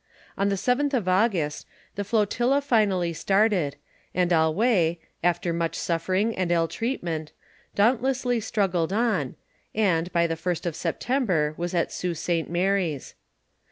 On the "Zth of August, the flotilla finally started, and Alloue^ afti o I suffering and ill treatment^ dauntlessly struggled on, and, by the first of Septem ber, was at Sault St. Mary's.